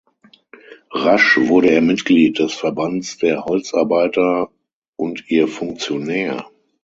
Rasch wurde er Mitglied des Verbands der Holzarbeiter und ihr Funktionär.